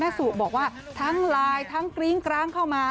สุบอกว่าทั้งไลน์ทั้งกริ้งกร้างเข้ามา